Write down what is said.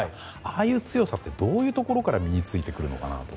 ああいう強さってどういうところから身に着いてくるのかなって。